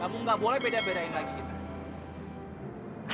kamu gak boleh beda bedain lagi kita